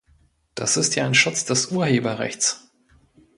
Das ist ja ein Schutz des Urheberrechts.